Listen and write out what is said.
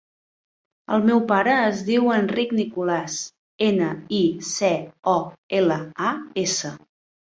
El meu pare es diu Enric Nicolas: ena, i, ce, o, ela, a, essa.